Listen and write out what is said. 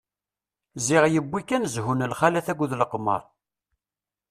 Ziɣ yewwi-ken zhu n lxalat akked leqmeṛ.